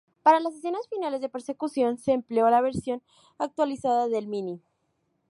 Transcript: Para las escenas finales de persecución se empleó la versión actualizada del Mini.